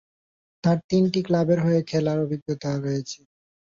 তার তিনটি ক্লাবের হয়ে খেলার অভিজ্ঞতা রয়েছে।